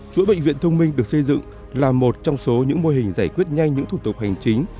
chuỗi bệnh viện thông minh được xây dựng là một trong số những mô hình giải quyết nhanh những thủ tục hành chính